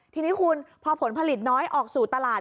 ทีนี้คุณพอผลผลิตน้อยออกสู่ตลาด